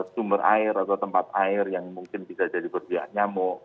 sumber air atau tempat air yang mungkin bisa jadi berbiak nyamuk